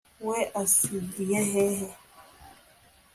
we asigeye hehe